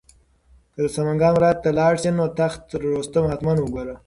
که د سمنګان ولایت ته لاړ شې نو تخت رستم حتماً وګوره.